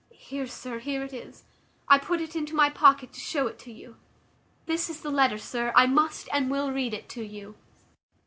Here, sir, here it is; I put it into my pocket to shew it you. This is the letter, sir; I must and will read it to you.